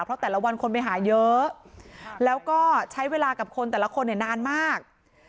เพราะแต่ละวันคนไปหาเยอะแล้วก็ใช้เวลากับคนแต่ละคนเนี่ยนานมาก